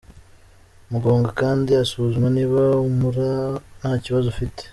Muganga kandi asuzuma niba umura ntakibazo ufite.